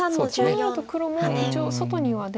こうなると黒も一応外には出ることが。